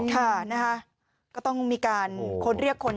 ค่ะนะคะก็ต้องมีการค้นเรียกคน